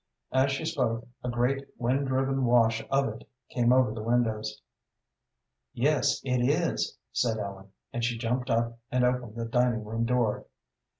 As she spoke, a great, wind driven wash of it came over the windows. "Yes, it is," said Ellen, and she jumped up and opened the dining room door.